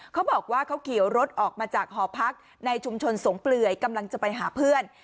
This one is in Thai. เขาบอกว่าเขาขี่รถออกมาจากหอพักในชุมชนสงเปลื่อยกำลังจะไปหาเพื่อน